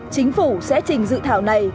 chính phủ sẽ trình dự thảo này